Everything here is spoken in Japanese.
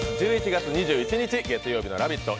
１１月２１日、月曜日の「ラヴィット！」